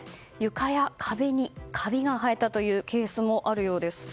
床や壁にカビが生えたというケースもあるようです。